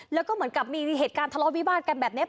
แล้วก็เหมือนกับมีเหตุการณ์ทะเลาะวิวาสกันแบบนี้